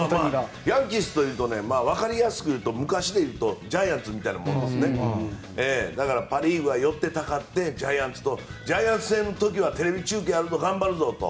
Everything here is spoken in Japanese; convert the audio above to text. ヤンキースというと分かりやすくいうと昔のジャイアンツみたいなものでパ・リーグは寄ってたかってジャイアンツ戦の時はテレビ中継あるぞ、頑張るぞと。